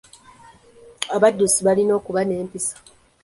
Abaddusi balina okuba n'empisa.